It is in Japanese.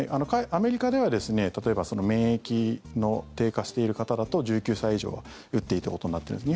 アメリカでは例えば免疫の低下している方だと１９歳以上は打っていいということになってるんです。